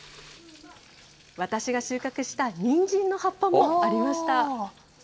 私が収穫したニンジンの葉っぱもありました。